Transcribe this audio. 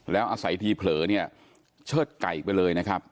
แล้วอาศัยทีเผลอเนี่ยเชิดไก่ไปเลยนะครับ